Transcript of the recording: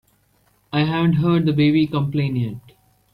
I haven't heard the baby complain yet.